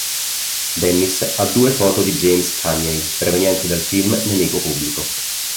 Dennis ha due foto di James Cagney provenienti dal film "Nemico pubblico".